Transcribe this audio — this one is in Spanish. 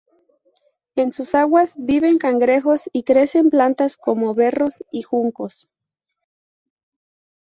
En sus aguas viven cangrejos y crecen plantas como berros y juncos.